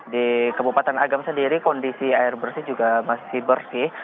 di kabupaten agam sendiri kondisi air bersih juga masih bersih